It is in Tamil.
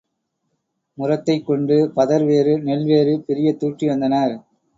முறத்தைக்கொண்டு பதர் வேறு, நெல் வேறு பிரியத் துாற்றி வந்தனர்.